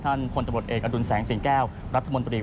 ท่านผลตะบดเอกอดุลแสงสิงแก้วรัฐมนตรี